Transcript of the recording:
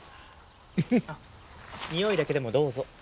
においだけでもどうぞ。